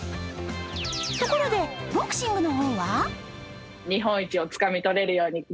ところでボクシングの方は？